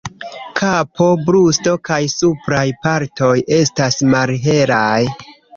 Kapo, brusto kaj supraj partoj estas malhelaj.